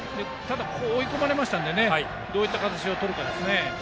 でも追い込まれましたのでどういった形をとるかですね。